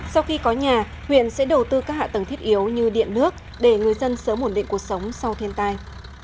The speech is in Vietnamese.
sau khi có nhà huyện sẽ đầu tư các hạ tầng thiết yếu như điện nước để người dân sớm ổn định cuộc sống sau thiên tai